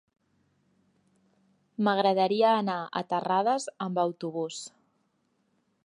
M'agradaria anar a Terrades amb autobús.